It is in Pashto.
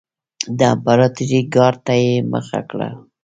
د امپراتورۍ ګارډ ته یې مخه کړه.